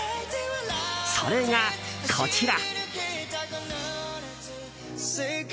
それが、こちら。